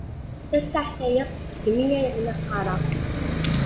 Tasaɛet aya seg mi ay la qqareɣ.